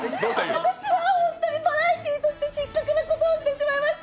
私はバラエティーとしてダメなことをしてしまいました。